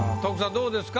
どうですか？